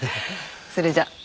それじゃ。